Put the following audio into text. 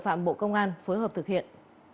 phạm bộ công an phối hợp thực hiện